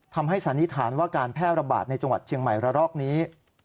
สันนิษฐานว่าการแพร่ระบาดในจังหวัดเชียงใหม่ระลอกนี้